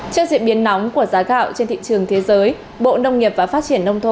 trước diễn biến nóng của giá gạo trên thị trường thế giới bộ nông nghiệp và phát triển nông thôn